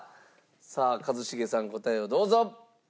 さあ一茂さん答えをどうぞ。